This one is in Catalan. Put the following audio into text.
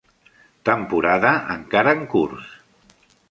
Temporada encara en curs.